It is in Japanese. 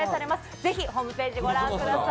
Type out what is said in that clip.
ぜひホームページご覧ください。